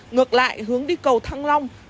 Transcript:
ngược lại hướng đi cầu thăng long